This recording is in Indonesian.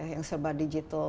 yang serba digital